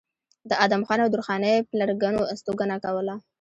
د ادم خان او درخانۍ پلرګنو استوګنه کوله